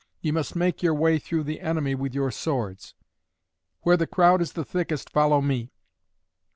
Ye must make your way through the enemy with your swords. Where the crowd is the thickest follow me.